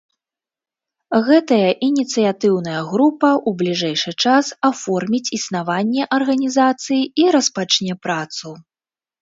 Гэтая ініцыятыўная група ў бліжэйшы час аформіць існаванне арганізацыі і распачне працу.